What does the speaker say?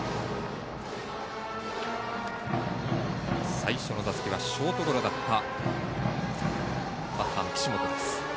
最初の打席はショートゴロだったバッターの岸本です。